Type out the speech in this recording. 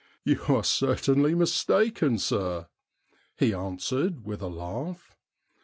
' You are certainly mistaken, sir,' he answered with a laugh.